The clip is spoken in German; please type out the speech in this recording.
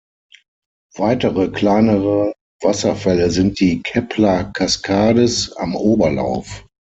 Weitere, kleinere Wasserfälle sind die "Keppler Cascades" am Oberlauf.